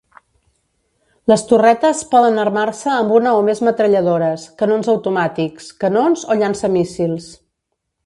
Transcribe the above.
Les torretes poden armar-se amb una o més metralladores, canons automàtics, canons o llançamíssils.